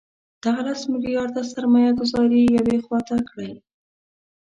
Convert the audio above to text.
دغه لس میلیارده سرمایه ګوزاري یوې خوا ته کړئ.